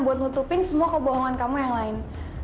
buat nutupin semua kebohongan kamu yang lain